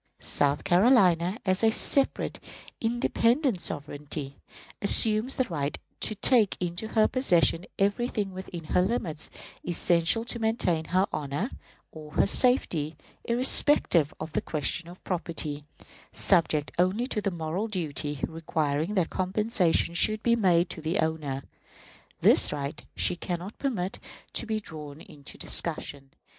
South Carolina, as a separate, independent sovereignty, assumes the right to take into her possession everything within her limits essential to maintain her honor or her safety, irrespective of the question of property, subject only to the moral duty requiring that compensation should be made to the owner. This right she can not permit to be drawn into discussion.